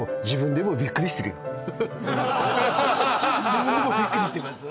自分でもびっくりしてます